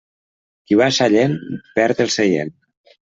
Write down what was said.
Qui va a Sallent perd el seient.